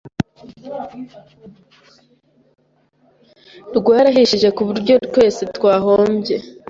rwarahishije ku buryo twese twahombye